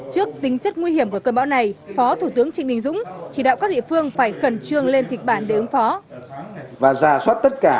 trước tính chất nguy hiểm của cơn bão này phó thủ tướng trịnh đình dũng chỉ đạo các địa phương phải khẩn trương lên kịch bản để ứng phó